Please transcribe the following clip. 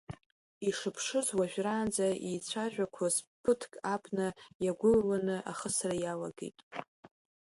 Ишыԥшыз уажәраанӡа еицәажәақәоз ԥыҭк абна иагәылаланы ахысра иалагеит.